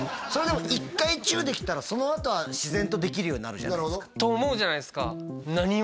それでも１回チューできたらそのあとは自然とできるようになるじゃないなるほどと思うじゃないですか